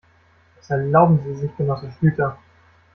Was erlauben Sie sich, Genosse Schlüter?